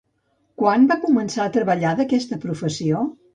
Quan va començar a treballar d'aquesta professió?